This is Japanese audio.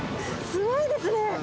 すごいですね。